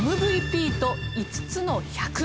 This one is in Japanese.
「ＭＶＰと５つの“１００”」